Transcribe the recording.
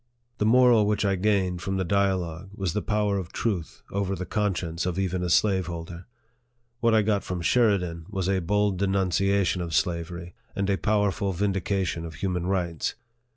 The mora, which I gained from the dialogue was the power of truth over the conscience of even a slaveholder. What I got from Sheridan was a bold denunciation of slavery, and a powerful vindication of human rights.